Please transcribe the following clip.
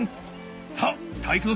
さあ体育ノ